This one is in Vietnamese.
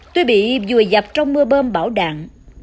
tuy bị vùi dập trong mưa bơm bão đạn